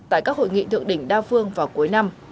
tại các hội nghị thượng đỉnh đa phương vào cuối năm